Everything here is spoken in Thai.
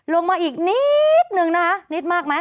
ลงมาอีกนิดนึงนะคะนิดมากไหม